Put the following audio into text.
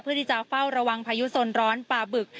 เพื่อที่จะเฝ้าระวังพายุสนร้อนปลาบึก